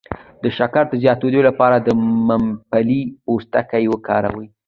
د شکر د زیاتیدو لپاره د ممپلی پوستکی وکاروئ